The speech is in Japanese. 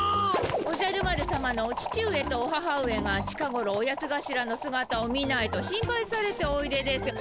おじゃる丸さまのお父上とお母上が近ごろオヤツがしらのすがたを見ないと心配されておいでですよ。